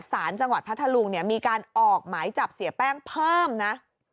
สารจังหวัดพัทธลุงเนี่ยมีการออกหมายจับเสียแป้งเพิ่มนะ